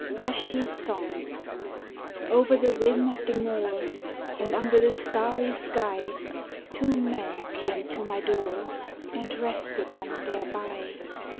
VASHTI'S SONG Over the rim of the Moor, And under the starry sky, Two men came to my door And rested them thereby.